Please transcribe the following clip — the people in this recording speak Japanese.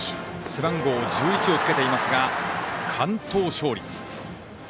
背番号１１をつけていますが完投勝利。